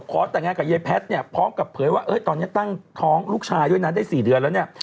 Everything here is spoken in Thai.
ขอแต่งงานกับยายแพทย์เนี่ยพร้อมกับเผยว่าตอนนี้ตั้งท้องลูกชายด้วยนะได้๔เดือนแล้วเนี่ย